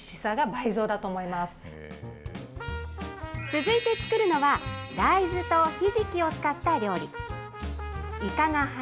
続いて作るのは、大豆とひじきを使った料理。